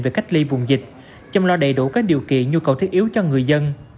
về cách ly vùng dịch chăm lo đầy đủ các điều kiện nhu cầu thiết yếu cho người dân